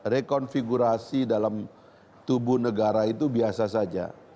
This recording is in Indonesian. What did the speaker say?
rekonfigurasi dalam tubuh negara itu biasa saja